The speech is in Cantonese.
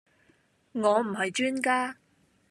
我唔係專家